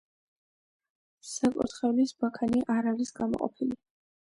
საკურთხევლის ბაქანი არ არის გამოყოფილი.